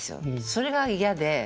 それが嫌で。